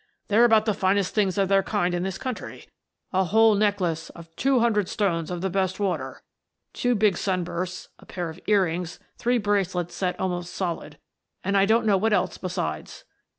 They're about the finest things of their kind in this country : a whole neck lace of two hundred stones of the best water, two big sunbursts, a pair of earrings, three bracelets set almost solid — and I don't know what else be sides.